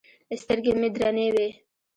سترګې مې درنې وې.